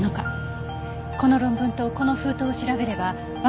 この論文とこの封筒を調べればわかるかもしれません。